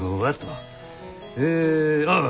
えああ。